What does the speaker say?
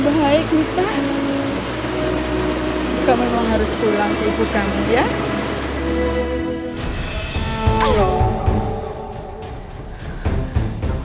alhamdulillah pak bayu